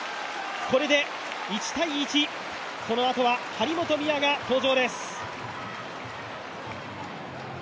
これで１−１、このあとは張本美和が登場です。